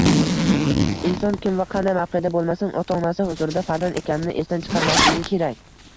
Inson kim va qanday mavqeda boʻlmasin, ota-onasi huzurida farzand ekanini esdan chiqarmasligi kerak